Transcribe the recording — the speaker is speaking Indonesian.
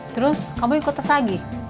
terus kamu ikut tes lagi